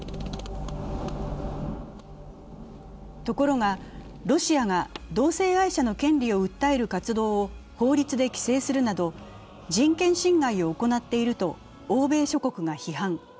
ところが、ロシアが同性愛者の権利を訴える活動を法律で規制するなど人権侵害を行っていると欧米諸国が批判。